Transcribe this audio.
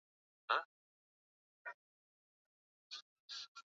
Wanu Hafidh Ameir ni mwakilishi maalum katika bunge la Zanzibar